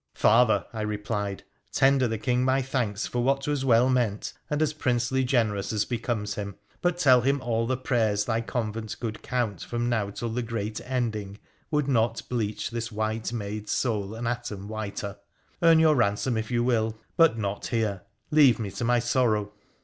' Father,' I replied, ' tender the King my thanks for what was well meant and as princely generous as becomes him. But tell him all the prayers thy convent could count from now till the great ending would not bleach this white maid's soul an atom whiter. Earn your ransom if you will, but not here ; leave me to my sorrow.'